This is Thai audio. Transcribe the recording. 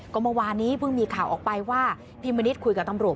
ก็เมื่อวานนี้เพิ่งมีข่าวออกไปว่าพี่มณิษฐ์คุยกับตำรวจ